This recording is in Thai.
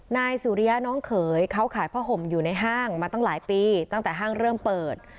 นายสุริยะน้องเขยเขาขายผ้าห่มอยู่ในห้างมาตั้งหลายปีตั้งแต่ห้างเริ่มเปิด